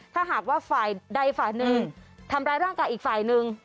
ถ้าหากว่าฝ่ายใดฝ่ายหนึ่งทำร้ายร่างกายอีกฝ่ายหนึ่ง